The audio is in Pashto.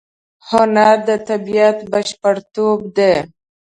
هنر د طبیعت بشپړتوب دی.